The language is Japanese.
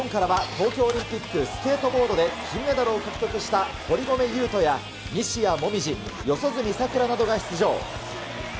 日本からは東京オリンピックスケートボードで金メダルを獲得した堀米雄斗や西矢椛、四十住さくらなどが出場。